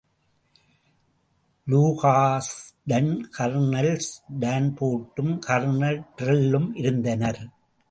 லூகாஸுடன் colonels டான்போர்டும், colonel டிரெல்லும் இருந்தனர்.